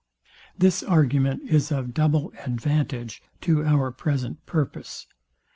This argument is of double advantage to our present purpose.